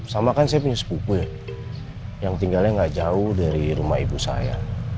sama kan saya punya sepupu ya yang tinggalnya gak jauh dari rumah ibu saya